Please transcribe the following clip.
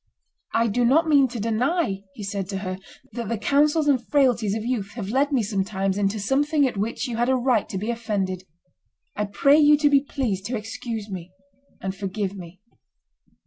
"I do not mean to deny," he said to her, "that the counsels and frailties of youth have led me sometimes into something at which you had a right to be offended; I pray you to be pleased to excuse me and forgive me."